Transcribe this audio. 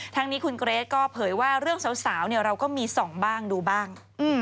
ทั้งนี้คุณเกรทก็เผยว่าเรื่องสาวเราก็มีส่องบ้างดูบ้าง